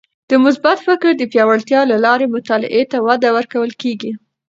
د مثبت فکر د پیاوړتیا له لارې مطالعې ته وده ورکول کیږي.